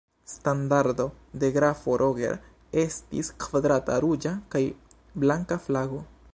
Standardo de grafo Roger estis kvadrata ruĝa kaj blanka flago.